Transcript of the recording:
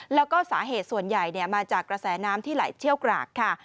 แล้วก็สาเหตุส่วนใหญ่มาจากกระแสน้ำที่ไหลเชี่ยวกรากค่ะ